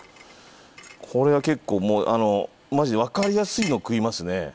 これは結構もうマジでわかりやすいのを食いますね。